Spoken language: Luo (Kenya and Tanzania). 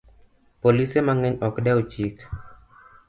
Polise mang'eny ok dew chik